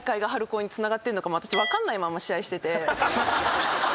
私分かんないまま試合してて。